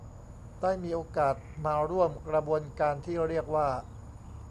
ได้มีโอกาสมาร่วมกระบวนการที่เรียกว่า